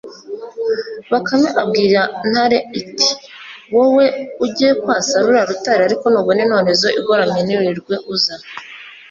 bakame ibwira ntare iti 'wowe ujye kwasa ruriya rutare, ariko nubona intorezo igoramye ntiwirirwe uza